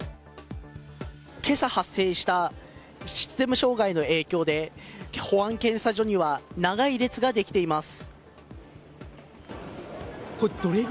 今朝発生したシステム障害の影響で保安検査場には長い列ができています。